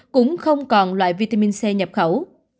cũng không còn loại vitamin c nhập khẩu